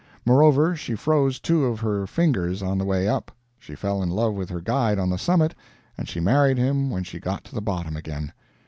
Moreover, she froze two of her fingers on the way up, she fell in love with her guide on the summit, and she married him when she got to the bottom again.